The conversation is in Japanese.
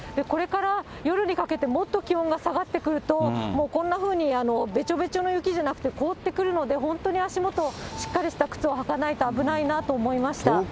これから夜にかけてもっと気温が下がってくると、もうこんなふうにべちょべちょの雪じゃなくて、凍ってくるので、本当に足元、しっかりした靴を履かないと危ないなと思いました。